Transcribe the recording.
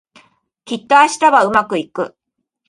きっと明日はうまくいく